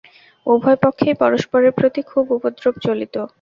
উভয় পক্ষেই পরস্পরের প্রতি খুব উপদ্রব চলিত।